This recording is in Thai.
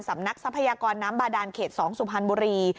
ทรัพยากรน้ำบาดานเขต๒สุพรรณบุรี